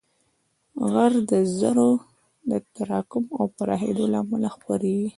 غږ د ذرّو د تراکم او پراخېدو له امله خپرېږي.